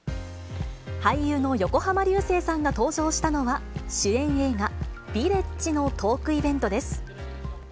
俳優の横浜流星さんが登場したのは、主演映画、ヴィレッジのトークイベントです。